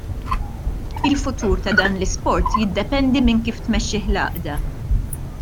Il-futur ta' dan l-isport jiddependi minn kif tmexxih l-għaqda.